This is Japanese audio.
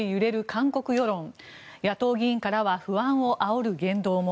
韓国世論野党議員からは不安をあおる言動も。